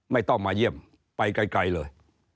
ไม่ต้องมาเยี่ยมไปไกลเลย